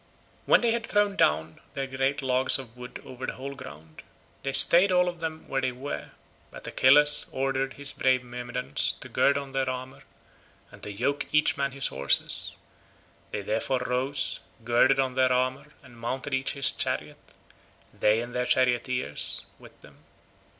When they had thrown down their great logs of wood over the whole ground, they stayed all of them where they were, but Achilles ordered his brave Myrmidons to gird on their armour, and to yoke each man his horses; they therefore rose, girded on their armour and mounted each his chariot—they and their charioteers with them.